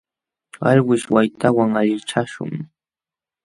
Alwish waytawan allichashun.